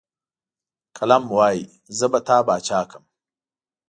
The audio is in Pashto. قلم وايي، زه به تا باچا کړم.